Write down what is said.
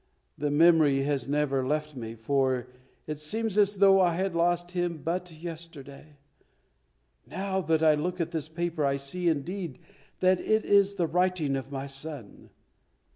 The memory has never left me, for it seems as though I had lost him but yesterday. Now that I look at this paper I see indeed that it is the writing of my son.